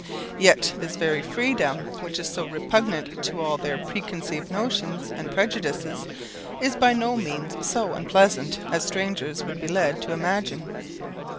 Yet this very freedom, which is so repugnant to all their preconceived notions and prejudices, is by no means so unpleasant as strangers would be led to imagine.